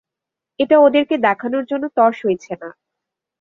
এটা ওদেরকে দেখানোর জন্য তর সইছে না।